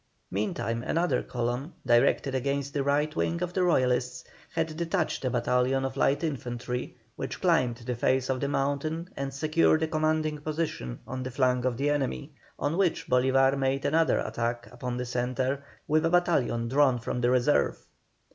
Meantime another column, directed against the right wing of the Royalists, had detached a battalion of light infantry, which climbed the face of the mountain and secured a commanding position on the flank of the enemy, on which Bolívar made another attack upon the centre with a battalion drawn from the reserve.